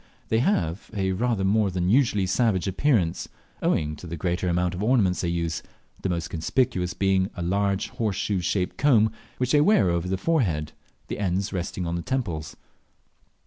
They have a rather more than usually savage appearance, owing to the greater amount of ornaments they use the most conspicuous being a large horseshoe shaped comb which they wear over the forehead, the ends resting on the temples.